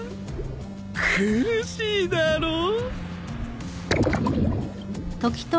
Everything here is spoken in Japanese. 苦しいだろう？